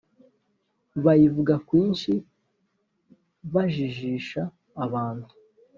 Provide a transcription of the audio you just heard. bayivuga kwinshi bajijisha abantu